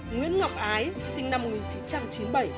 nguyễn ngọc ái sinh năm một nghìn chín trăm chín mươi bảy